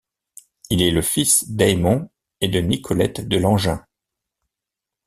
Il est le fils d'Aymon et de Nicolette de Langin.